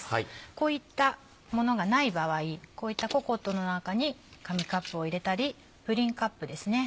こういったものがない場合こういったココットの中に紙カップを入れたりプリンカップですね